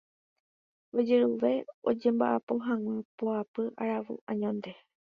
Ojerure oñemba'apo hag̃ua poapy aravo añónte.